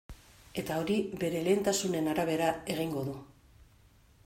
Eta hori bere lehentasunen arabera egingo du.